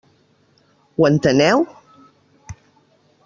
Ho enteneu?